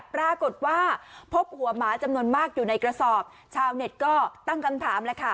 ปรากฏว่าพบหัวหมาจำนวนมากอยู่ในกระสอบชาวเน็ตก็ตั้งคำถามแล้วค่ะ